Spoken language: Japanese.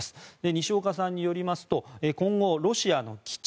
西岡さんによりますと今後、ロシアの基地